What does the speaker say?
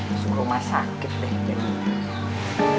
masuk rumah sakit deh jadi